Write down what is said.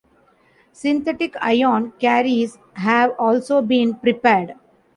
Synthetic ion carriers have also been prepared.